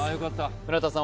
村田さん